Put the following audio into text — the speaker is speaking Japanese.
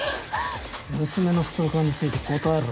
娘のストーカーについて答えろ。